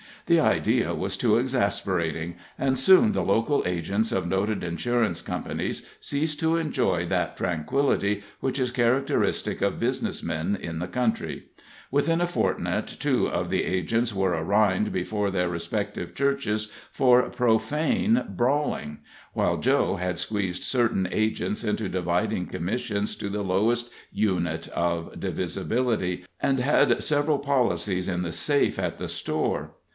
The idea was too exasperating, and soon the local agents of noted insurance companies ceased to enjoy that tranquility which is characteristic of business men in the country. Within a fortnight two of the agents were arraigned before their respective churches for profane brawling, while Joe had squeezed certain agents into dividing commissions to the lowest unit of divisibility, and had several policies in the safe at the store.